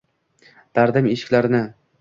Dardim eshiklarini